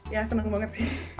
ya seneng banget sih